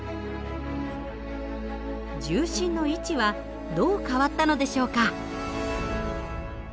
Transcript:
重心の位置はどう変わったのでしょうか？